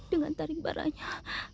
dengan taring baranya